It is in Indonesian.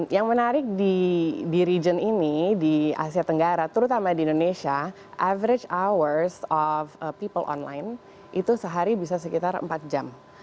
yang menarik di region ini di asia tenggara terutama di indonesia average hours of people online itu sehari bisa sekitar empat jam